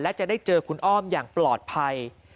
และจะได้เจอคุณอ้อมอย่างปลอดภัย